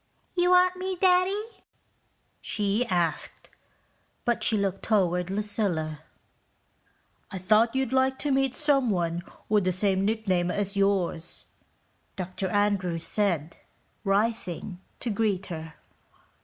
"You wanted me, Daddy?" she asked, but she looked toward Lucilla. "I thought you'd like to meet someone with the same nickname as yours," Dr. Andrews said, rising to greet her.